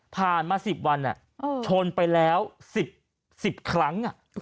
ผ่านมา๑๐วันอะชนไปแล้ว๑๐ครั้งอะ